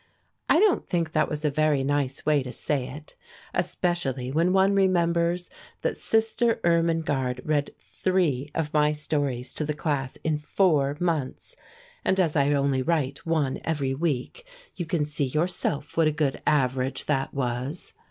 I don't think that was a very nice way to say it, especially when one remembers that Sister Irmingarde read three of my stories to the class in four months; and as I only write one every week, you can see yourself what a good average that was.